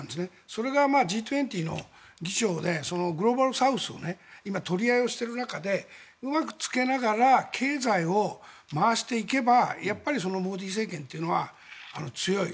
それがＧ２０の議長でグローバルサウスを今、取り合いをしている中でうまくつけながら経済を回していけばやっぱりモディ政権というのは強い。